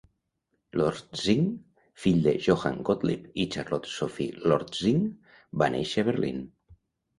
Lortzing, fill de Johann Gottlieb i Charlotte Sophie Lortzing, va néixer a Berlín.